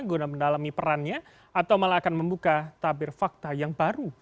guna mendalami perannya atau malah akan membuka tabir fakta yang baru